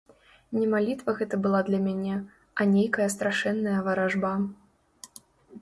Не малітва гэта была для мяне, а нейкая страшэнная варажба.